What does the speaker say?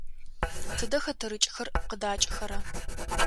Тыдэ хэтэрыкӏхэр къыдакӏэхэра?